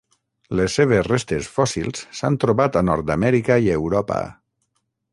Les seves restes fòssils s'han trobat a Nord-amèrica i Europa.